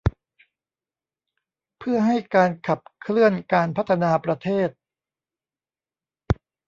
เพื่อให้การขับเคลื่อนการพัฒนาประเทศ